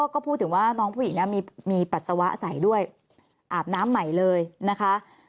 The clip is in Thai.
ก็พูดถึงว่าน้องผู้หญิงมีปัสสาวะใส่ด้วยอาบน้ำใหม่เลยนะคะ